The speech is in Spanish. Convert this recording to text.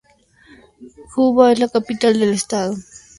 Juba es la capital del estado y de Sudán del Sur.